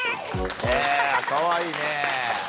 へぇかわいいね。